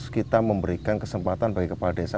kita memberikan kesempatan bagi kepala desa